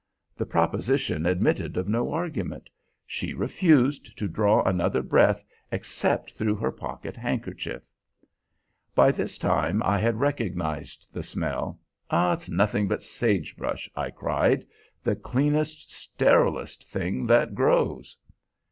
The proposition admitted of no argument. She refused to draw another breath except through her pocket handkerchief. By this time I had recognized the smell. "It's nothing but sage brush," I cried; "the cleanest, sterilest thing that grows!"